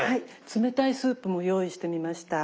冷たいスープも用意してみました。